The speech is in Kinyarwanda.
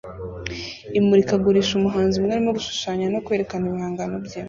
Imurikagurisha umuhanzi umwe arimo gushushanya no kwerekana ibihangano bye